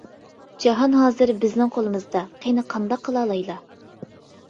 -جاھان ھازىر بىزنىڭ قولىمىزدا، قېنى قانداق قىلالايلا؟ !